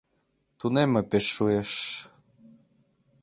Тунемме пеш шуэш...